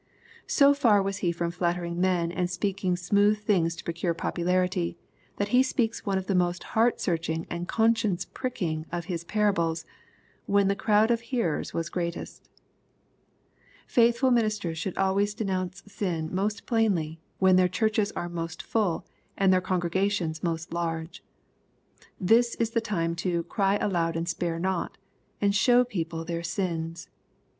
So far was He from flattering men, and speaking smooth things to procure popularity, that He speaks one of the most heart searching and conscience pricking of Hia parables, when the crowd of hearers was greatest Faithful ministers should always denounce sin most plainly, when their churches are most full, and their congregations most large. Then is the time to " cry aloud and spare not," and show people their sins.